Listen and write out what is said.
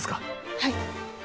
はい。